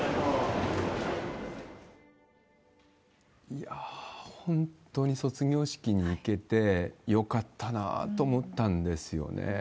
いやー、本当に卒業式に行けて、よかったなと思ったんですよね。